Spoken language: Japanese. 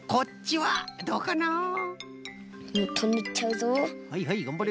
はいはいがんばれ。